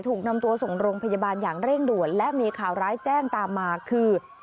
ถูกนำตัวส่งโรงพยาบาลอย่างเร่งด่วนและมีข่าวร้ายแจ้งตามมาคือ